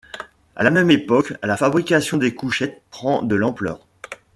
À la même époque, la fabrication des couchettes prend de l'ampleur.